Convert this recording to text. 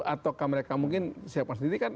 ataukah mereka mungkin siapa sendiri kan